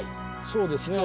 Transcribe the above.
そうですね。